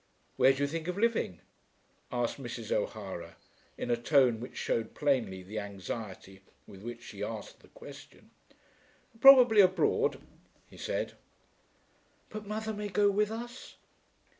"Where do you think of living?" asked Mrs. O'Hara in a tone which shewed plainly the anxiety with which she asked the question. "Probably abroad," he said. "But mother may go with us?"